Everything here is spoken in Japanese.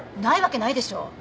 ないわけないでしょ。